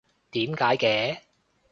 點解嘅？